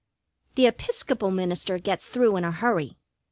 The Episcopal minister gets through in a hurry.